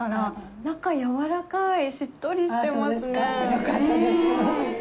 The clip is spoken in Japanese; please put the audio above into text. よかったです。